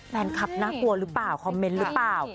น่ากลัวหรือเปล่าคอมเมนต์หรือเปล่า